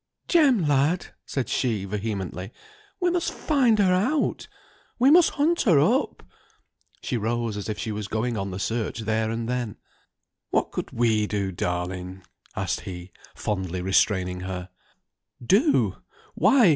"Jem, lad!" said she, vehemently, "we must find her out, we must hunt her up!" She rose as if she was going on the search there and then. "What could we do, darling?" asked he, fondly restraining her. "Do!